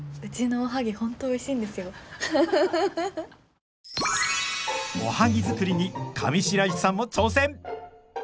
おはぎ作りに上白石さんも挑戦！